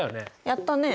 やったね。